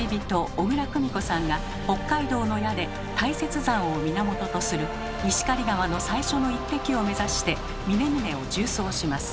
小椋久美子さんが北海道の屋根大雪山を源とする石狩川の最初の一滴を目指して峰々を縦走します。